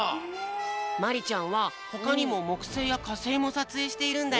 まりちゃんはほかにももくせいやかせいもさつえいしているんだよ！